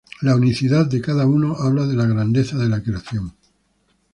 La unicidad de cada uno habla de la grandeza de la creación.